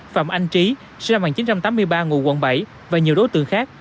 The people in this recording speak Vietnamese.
phạm anh trí sinh năm một nghìn chín trăm tám mươi ba ngụ quận bảy và nhiều đối tượng khác